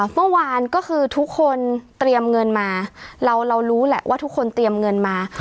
เมื่อวานก็คือทุกคนเตรียมเงินมาเรารู้แหละว่าทุกคนเตรียมเงินมา